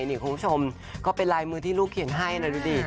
นี่คุณผู้ชมก็เป็นลายมือที่ลูกเขียนให้นะดูดิ